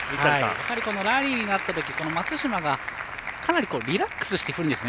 ラリーになった時松島がかなりリラックスしてくるんですね。